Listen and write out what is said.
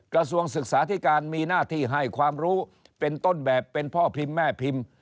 กระทรวงศึกษาธิการมีหน้าที่ให้ความรู้เป็นต้นแบบเป็นพ่อพิมพ์แม่พิมพ์